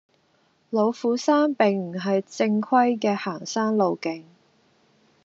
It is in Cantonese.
老虎山並唔係正規嘅行山路徑